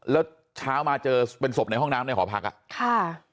แล้วเช้ามาเจอเป็นศพในห้องน้ำในหอพักอ่ะค่ะ